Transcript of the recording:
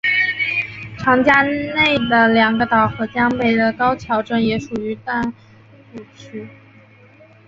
长江内的两个岛和江北的高桥镇也属于丹徒区。